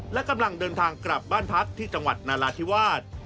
และกำลังเดินทางกลับบ้านพักที่จังหวัดนาราธิวาส